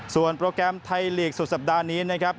ส่วนโปรแกรมไทยลีกสุดสัปดาห์นี้นะครับ